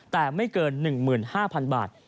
แต่ไม่เกิน๑๕๐๐๐บาท